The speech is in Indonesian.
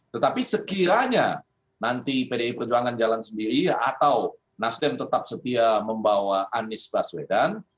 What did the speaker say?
tetapi sekiranya nanti pdi perjuangan jalan sendiri atau nasdem tetap setia membawa anies baswedan